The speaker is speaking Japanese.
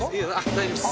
大丈夫です。